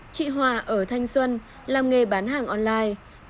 chị hòa ở thanh xuân làm nghề bán hàng online